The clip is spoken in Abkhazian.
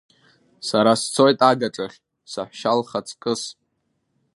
Сара сцоит агаҿахь, саҳәшьа лхаҵкыс.